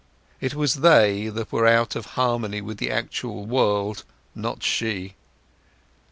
It was they that were out of harmony with the actual world, not she.